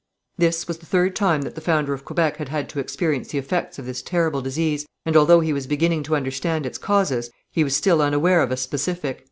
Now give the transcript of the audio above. This was the third time that the founder of Quebec had had to experience the effects of this terrible disease, and although he was beginning to understand its causes, he was still unaware of a specific.